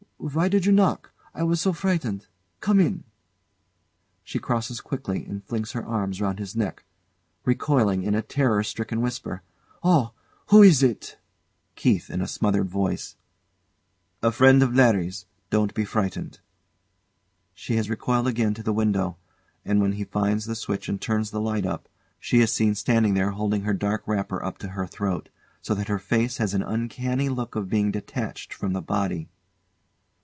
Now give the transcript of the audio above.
Why did you knock? I was so frightened. Come in! [She crosses quickly, and flings her arms round his neck] [Recoiling in a terror stricken whisper] Oh! Who is it? KEITH. [In a smothered voice] A friend of Larry's. Don't be frightened. She has recoiled again to the window; and when he finds the switch and turns the light up, she is seen standing there holding her dark wrapper up to her throat, so that her face has an uncanny look of being detached from the body.